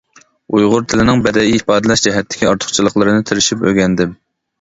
ئۇيغۇر تىلىنىڭ بەدىئىي ئىپادىلەش جەھەتتىكى ئارتۇقچىلىقلىرىنى تىرىشىپ ئۆگەندىم.